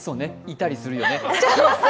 いたりするよね。